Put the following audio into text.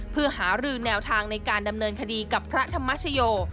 เพื่อหารือแนวทางในการดำเนินคดีกับพระธรรมชโย